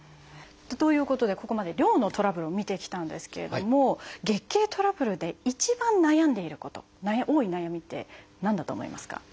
ということでここまで量のトラブルを見てきたんですけれども月経トラブルで一番悩んでいること多い悩みって何だと思いますか？